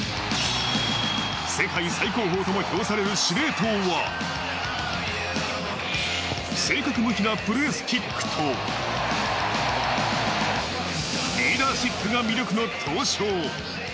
世界最高峰とも称される司令塔は正確無比なプレースキックと、リーダーシップが魅力の闘将。